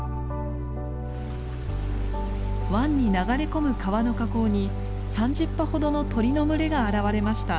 湾に流れ込む川の河口に３０羽ほどの鳥の群れが現れました。